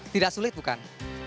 tidak sulit bukan